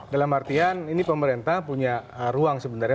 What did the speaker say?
dalam artian ini pemerintah punya ruang sebenarnya